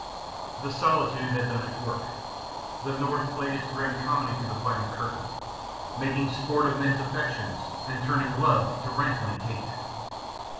The solitude had done its work; the North had played its grim comedy to the final curtain, making sport of men's affections and turning love to rankling hate.